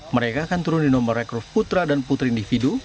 mereka akan turun di nomor rekrut putra dan putri individu